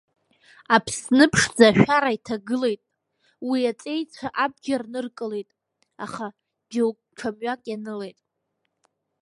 Аԥсны ԥшӡа ашәара иҭагылеит, уи аҵеицәа абџьар ныркылеит, аха џьоук ҽа мҩак ианылеит…